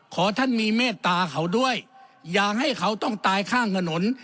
ขอท่านมีเมตตาเขาด้วยอย่าให้เขาต้องตายข้างถนน